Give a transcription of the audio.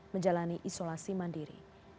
menjalani isolasi mandiri